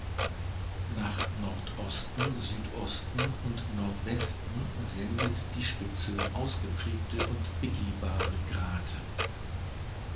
Nach Nordosten, Südosten und Nordwesten sendet die Spitze ausgeprägte und begehbare Grate.